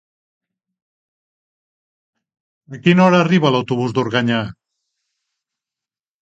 A quina hora arriba l'autobús d'Organyà?